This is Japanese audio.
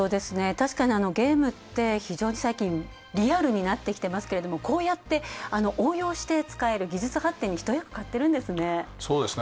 確かにゲームって非常に最近リアルになってきてますけれどもこうやって応用して使える技術発展に一役買ってるんですね。